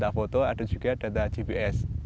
data foto ada juga data gps